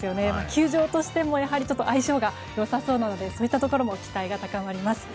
球場との相性も良さそうなのでそういったところも期待が高まります。